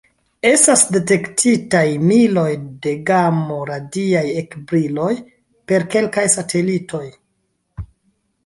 Estas detektitaj miloj de gamo-radiaj ekbriloj per kelkaj satelitoj.